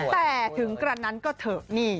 แต่ถึงกระนั้นก็เถอะนี่